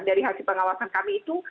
dari hasil pengawasan kami itu